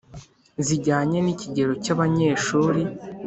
zijyanye n'ikigero cy'abanyeshuri.